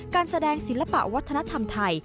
การแสดงศิลปะวัฒนธรรมไทย